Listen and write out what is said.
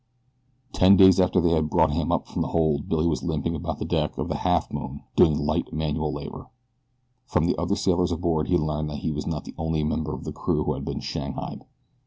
Ten days after they brought him up from the hold Billy was limping about the deck of the Halfmoon doing light manual labor. From the other sailors aboard he learned that he was not the only member of the crew who had been shanghaied.